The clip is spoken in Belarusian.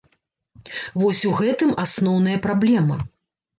Вось у гэтым асноўная праблема.